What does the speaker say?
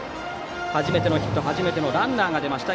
初めてのヒット初めてのランナーが出ました。